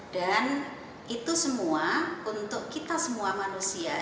dan itu semua untuk kita semua manusia